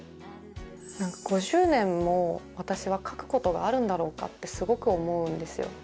５０年も私が書くことがあるんだろうかってすごく思うんですよ。